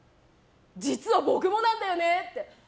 実は僕もなんだよねって。